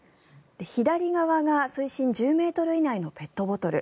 左側が水深１０ｍ以内のペットボトル。